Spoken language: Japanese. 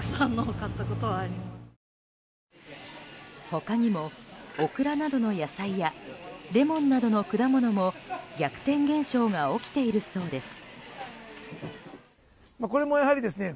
他にも、オクラなどの野菜やレモンなどの果物も逆転現象が起きているそうです。